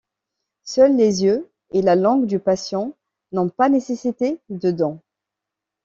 Seuls les yeux et la langue du patient n'ont pas nécessité de dons.